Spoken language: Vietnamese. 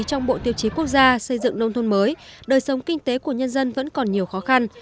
trong bộ tiêu chí quốc gia xây dựng nông thôn mới đời sống kinh tế của nhân dân vẫn còn nhiều khó khăn